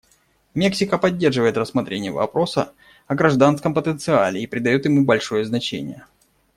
Мексика поддерживает рассмотрение вопроса о гражданском потенциале и придает ему большое значение.